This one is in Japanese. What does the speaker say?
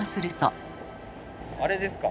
あれですか？